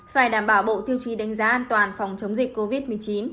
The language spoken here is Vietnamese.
phải đảm bảo bộ tiêu chí đánh giá an toàn phòng chống dịch covid một mươi chín